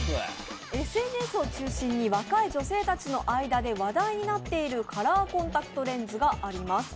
ＳＮＳを中心に若い女性たちの間で話題となっているカラーコンタクトレンズがあります。